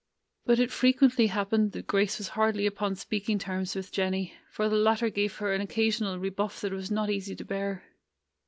But it frequently happened that Grace was hardly upon speak ing terms with Jennie, for the latter gave her an occasional rebuff that was not easy to bear.